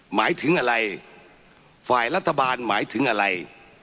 หมายถึงอะไรฝ่ายรัฐบาลหมายถึงอะไร